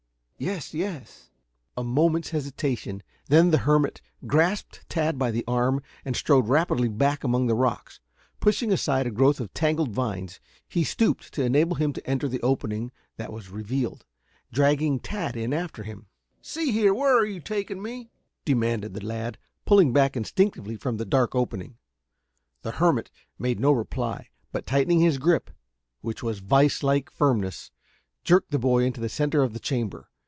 "Yes, yes." A moment's hesitation, then the hermit grasped Tad by the arm and strode rapidly back among the rocks. Pushing aside a growth of tangled vines he stooped to enable him to enter the opening that was revealed, dragging Tad in after him. [Illustration: The Hermit Grasped Tad by the Arm.] "See here, where are you taking me?" demanded the lad, pulling back instinctively from the dark opening. The hermit made no reply, but tightening his grip, which was of vise like firmness, jerked the boy into the center of the chamber.